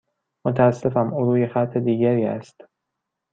متاسفم، او روی خط دیگری است.